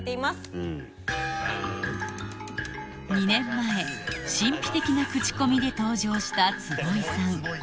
２年前神秘的なクチコミで登場した坪井さん